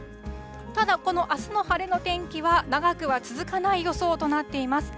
ただこのあすの晴れの天気は長くは続かない予想となっています。